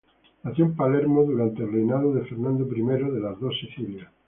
Nació en Palermo durante el reinado de Fernando I de las Dos Sicilias.